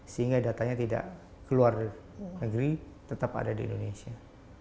sehingga datanya tidak keluar dari negeri tetap ada di indonesia